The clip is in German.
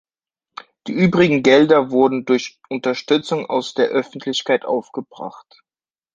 Die übrigen Gelder wurden durch Unterstützung aus der Öffentlichkeit aufgebracht.